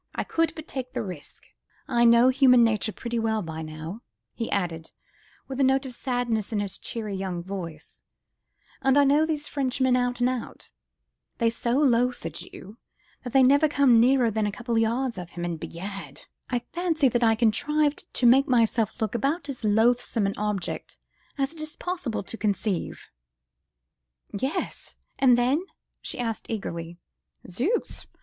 I could but take the risk. I know human nature pretty well by now," he added, with a note of sadness in his cheery, young voice, "and I know these Frenchmen out and out. They so loathe a Jew, that they never come nearer than a couple of yards of him, and begad! I fancy that I contrived to make myself look about as loathsome an object as it is possible to conceive." "Yes!—and then?" she asked eagerly. "Zooks!